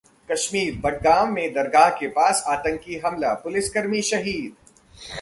कश्मीर: बडगाम में दरगाह के पास आतंकी हमला, पुलिसकर्मी शहीद